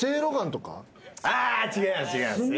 違います。